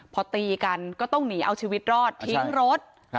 พอตีกันก็ต้องหนีเอาชีวิตรอดทิ้งรถ